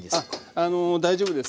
あの大丈夫です。